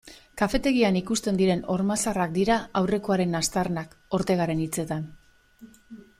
Kafetegian ikusten diren horma zaharrak dira aurrekoaren aztarnak, Ortegaren hitzetan.